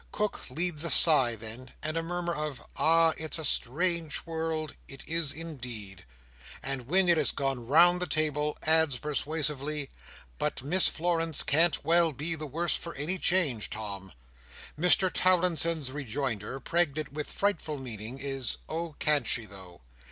Cook leads a sigh then, and a murmur of "Ah, it's a strange world, it is indeed!" and when it has gone round the table, adds persuasively, "but Miss Florence can't well be the worse for any change, Tom." Mr Towlinson's rejoinder, pregnant with frightful meaning, is "Oh, can't she though!"